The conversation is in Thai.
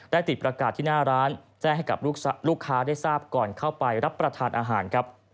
ติดประกาศที่หน้าร้านแจ้งให้กับลูกค้าได้ทราบก่อนเข้าไปรับประทานอาหารครับ